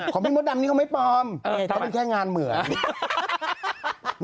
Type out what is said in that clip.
ของพี่โรดำนี้ก็ไม่ปลอมยังเป็นแค่งานเหมือน